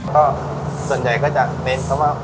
ก็ส่วนใหญ่ก็จะเน้นเขาว่า